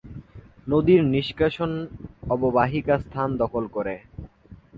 নদীর নিষ্কাশন অববাহিকা স্থান দখল করে।